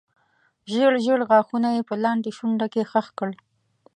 ژېړ ژېړ غاښونه یې په لاندې شونډه کې خښ کړل.